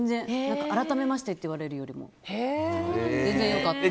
改めましてって言われるより全然良かった。